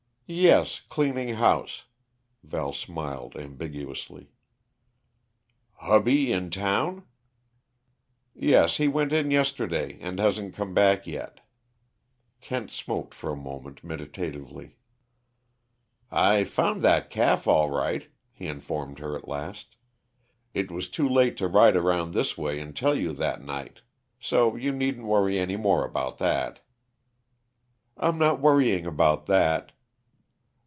"Yes cleaning house." Val smiled ambiguously. "Hubby in town?" "Yes he went in yesterday, and hasn't come back yet." Kent smoked for a moment meditatively. "I found that calf, all right," he informed her at last. "It was too late to ride around this way and tell you that night. So you needn't worry any more about that." "I'm not worrying about that."